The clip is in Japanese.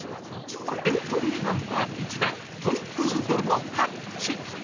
エントリーナンバー１番、トイプードルのはっち。